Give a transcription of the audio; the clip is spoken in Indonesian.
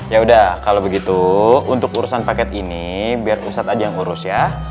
yaudah kalo begitu untuk urusan paket ini biar ustadz aja yang urus ya